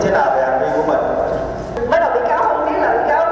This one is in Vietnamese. cho nên bị cáo cũng tưởng quen